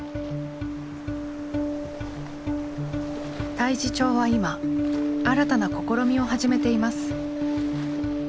太地町は今新たな試みを始めています。